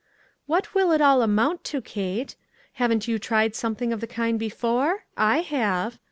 "What will it all amount to, Kate? Haven't you tried something of the kind before ? I have.